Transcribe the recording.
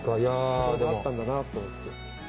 波動が合ったんだなと思って。